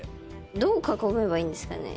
どう囲めばいいんですかね？